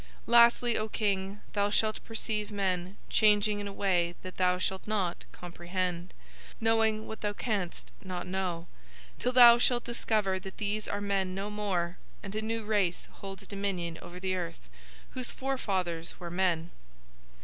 Lastly, O King, thou shalt perceive men changing in a way that thou shalt not comprehend, knowing what thou canst not know, till thou shalt discover that these are men no more and a new race holds dominion over the earth whose forefathers were men.